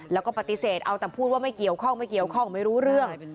แล้วก็ปฏิเสธเอาแต่พูดไม่เกี่ยวข้องไม่รู้เรื่อง